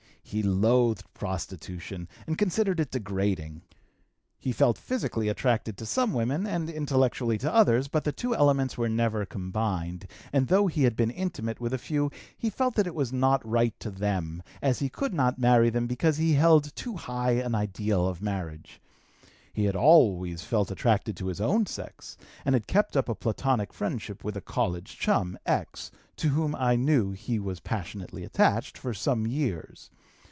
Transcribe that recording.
He loathed prostitution and considered it degrading; he felt physically attracted to some women and intellectually to others, but the two elements were never combined, and though he had been intimate with a few he felt that it was not right to them, as he could not marry them because he held too high an ideal of marriage. He had always felt attracted to his own sex, and had kept up a Platonic friendship with a college chum, X (to whom I knew he was passionately attached), for some years.